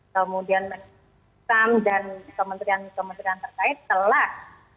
kemudian men dan kementerian kementerian terkait telah